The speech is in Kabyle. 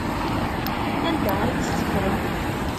Anda ay tt-teffrem?